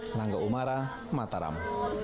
dari kota umara mataram